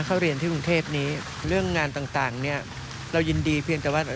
เข้าเรียนที่กรุงเทพนี้เรื่องงานต่างต่างเนี้ยเรายินดีเพียงแต่ว่าแบบ